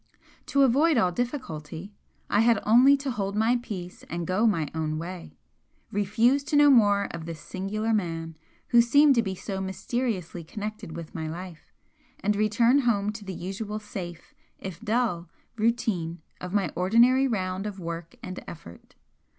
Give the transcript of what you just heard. To avoid all difficulty, I had only to hold my peace and go my own way refuse to know more of this singular man who seemed to be so mysteriously connected with my life, and return home to the usual safe, if dull, routine of my ordinary round of work and effort.